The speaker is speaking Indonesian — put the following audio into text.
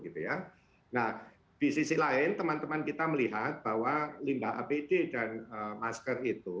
nah di sisi lain teman teman kita melihat bahwa limbah apd dan masker itu